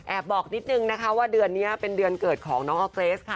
บอกนิดนึงนะคะว่าเดือนนี้เป็นเดือนเกิดของน้องออร์เกรสค่ะ